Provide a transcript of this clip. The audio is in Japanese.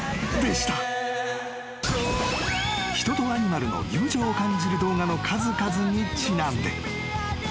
［人とアニマルの友情を感じる動画の数々にちなんで］